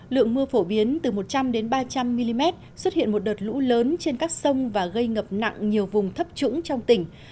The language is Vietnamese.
lượng mưa phổ biến từ một trăm linh ba trăm linh mm xuất hiện một đợt lũ lớn trên các sông và gây ngập nặng nhiều vùng thấp trũng trong tỉnh